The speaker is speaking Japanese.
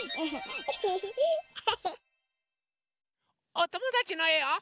おともだちのえを。